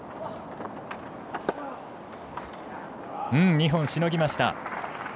２本しのぎました。